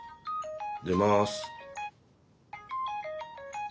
出ます。